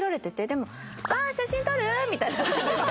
でも「ああ！写真撮る？」みたいな感じで。